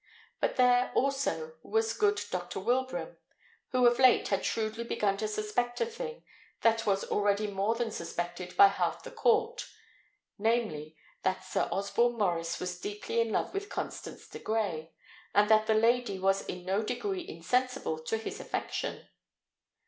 But there, also, was good Dr. Wilbraham, who of late had shrewdly begun to suspect a thing that was already more than suspected by half the court; namely, that Sir Osborne Maurice was deeply in love with Constance de Grey, and that the lady was in no degree insensible to his affection.